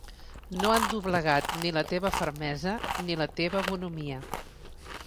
No han doblegat ni la teva fermesa ni la teva bonhomia.